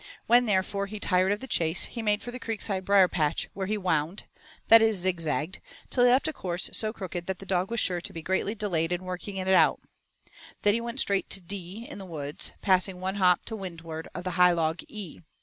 When, therefore, he tired of the chase, he made for the Creekside brier patch, where he 'wound' that is, zig zagged till he left a course so crooked that the dog was sure to be greatly delayed in working it out. He then went straight to D in the woods, passing one hop to windward of the high log E.